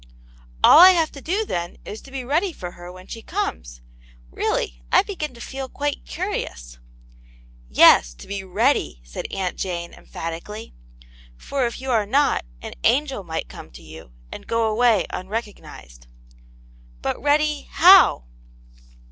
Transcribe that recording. "All I have to do, then, is to be ready for her when she comes! Really, I begin to feel quite curious." ♦' Yes, to be readyl' said Mul ^^.tv^> rav^'^iSlv^'^^ 34 ' Aunt Jane's Hero. " For if you are not, aii angel might conie to you and go away unrecognized/* " But ready, how